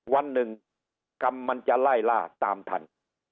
วันหนึ่งกรรมมันจะไล่ล่าตามทัน